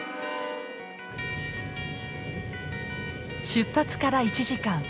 出発から１時間。